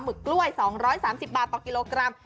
ึกกล้วย๒๓๐บาทต่อกิโลกรัม